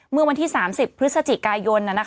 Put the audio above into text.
เมื่อวันที่๓๐พฤศจิกายน